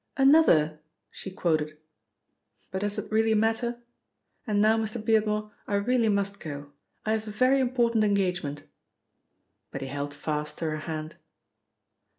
"Another!" she quoted, "but does it really matter? And now, Mr. Beardmore, I really must go. I have a very important engagement." But he held fast to her hand.